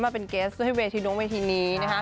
มาเป็นเกสด้วยเวทีน้องเวทีนี้นะครับ